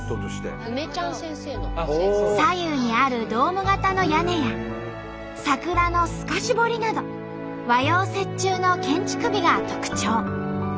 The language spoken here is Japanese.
左右にあるドーム型の屋根や桜の透かし彫りなど和洋折衷の建築美が特徴。